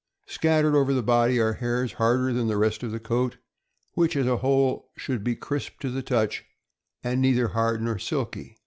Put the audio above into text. Scattered over the body are hairs harder than the rest of the coat, which, as a whole, should be crisp to the touch and neither hard nor silky.